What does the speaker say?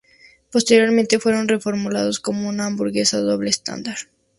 Posteriormente fue reformulado como una hamburguesa doble estándar.